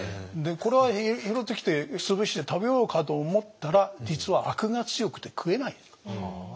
でこれを拾ってきて潰して食べようかと思ったら実はアクが強くて食えない。